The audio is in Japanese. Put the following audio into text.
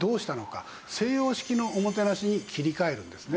西洋式のおもてなしに切り替えるんですね。